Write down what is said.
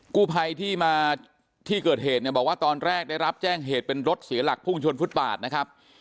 กู้ภัยที่มาที่เกิดเหตุเนี่ยบอกว่าตอนแรกได้รับแจ้งเหตุเป็นรถเสียหลักพุ่งชนฟุตบาทนะครับ